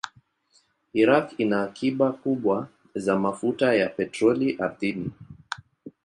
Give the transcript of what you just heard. Iraq ina akiba kubwa za mafuta ya petroli ardhini.